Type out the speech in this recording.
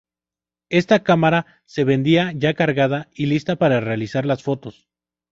Esta cámara se vendía ya cargada y lista para realizar las fotos.